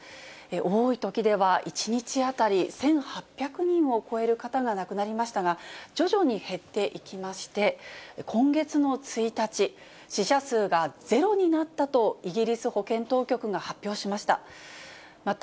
多いときでは１日当たり１８００人を超える方が亡くなりましたが、徐々に減っていきまして、今月の１日、死者数が０になったと、イギリス保健当局が発表しました。